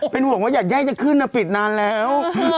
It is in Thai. เป็นห่วงว่าอยากแย่จะขึ้นนะปิดนานแล้ว